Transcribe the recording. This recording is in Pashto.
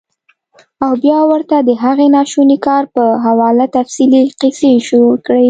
او بيا ورته د هغې ناشوني کار پۀ حواله تفصيلي قيصې شورو کړي -